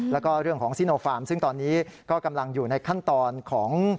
แล้วก็เรื่องของซิโนฟาร์มซึ่งตอนนี้ก็กำลังอยู่ในขั้นตอนของ